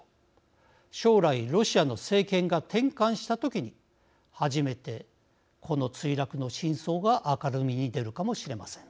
将来ロシアの政権が転換した時に初めてこの墜落の真相が明るみに出るかもしれません。